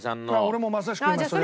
俺もまさしく今それ。